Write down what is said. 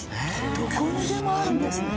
どこにでもあるんですね。